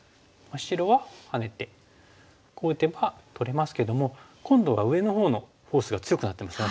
白はハネてこう打てば取れますけども今度は上のほうのフォースが強くなってますよね。